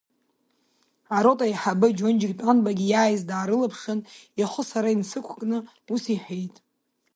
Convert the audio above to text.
Арота аиҳабы Џьонџьик Тәанбагьы иааиз даарылаԥшын, ихы сара инасықәкны ус иҳәеит…